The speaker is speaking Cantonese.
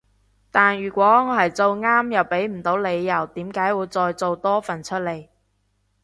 但如果我係做啱又畀唔到理由點解會再做多份出嚟